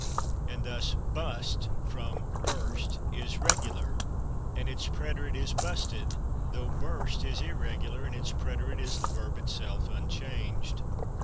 And thus /bust/, from /burst/, is regular and its preterite is /busted/, though /burst/ is irregular and its preterite is the verb itself unchanged.